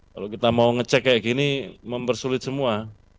kalau kita mau ngecek kayak gini mempersulit semua